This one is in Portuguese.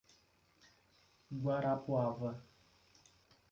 Guarapuava